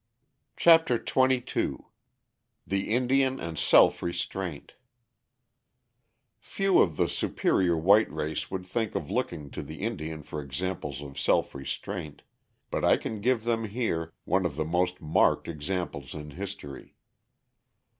] CHAPTER XXII THE INDIAN AND SELF RESTRAINT Few of the superior white race would think of looking to the Indian for examples of self restraint, but I can give them here one of the most marked examples in history.